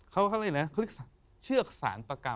เขาเรียกหยุดเชือกสารประกรรม